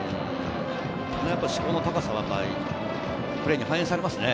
そこの高さがプレーに反映されますね。